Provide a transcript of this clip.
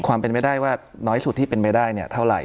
ความเป็นไม่ได้ว่าน้อยสุดที่เป็นไปได้เนี่ยเท่าไหร่